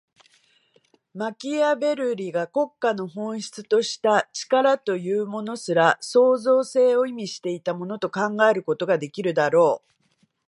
マキアヴェルリが国家の本質とした「力」というものすら、創造性を意味していたものと考えることができるであろう。